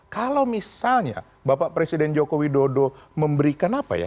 kalau misalnya bapak presiden joko widodo memberikan apa ya